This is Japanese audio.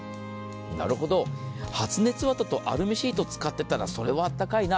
なるほど、発熱綿とアルミシート使ってたら、それはあったかいな。